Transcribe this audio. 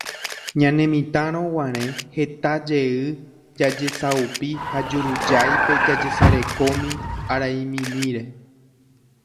ñanemitãroguare heta jey jajesaupi ha jurujáipe jajesarekómi araimimíre.